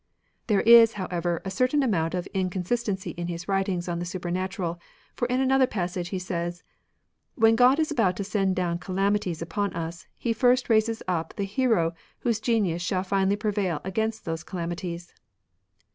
There is, however, a certain amount of incon sistency in his writings on the supernatural, for in another passage he says, " When God is about to send down calamities upon us. He first raises up the hero whose genius shall finaUy prevail against those calami ties."